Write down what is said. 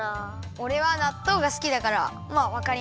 おれはなっとうがすきだからまあわかりますね。